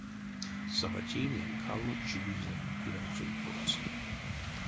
Савватейнень калмонть чувизе пирявксонть потс.